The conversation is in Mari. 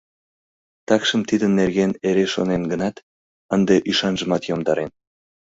Такшым тидын нерген эре шонен гынат, ынде ӱшанжымат йомдарен.